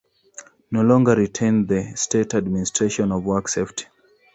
No longer retain the State Administration of Work Safety.